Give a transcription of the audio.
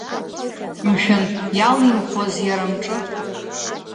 Мшәан, иалимхуаз иара амҿы!